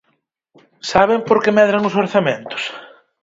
¿Saben por que medran os orzamentos?